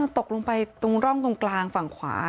ตกลงไปตรงร่องตรงกลางฝั่งขวา